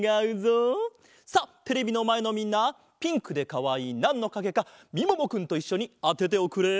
さあテレビのまえのみんなピンクでかわいいなんのかげかみももくんといっしょにあてておくれ。